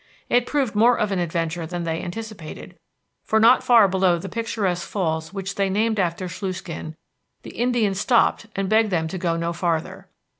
It proved more of an adventure than they anticipated, for not far below the picturesque falls which they named after Sluiskin, the Indian stopped and begged them to go no farther.